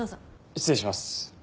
失礼します。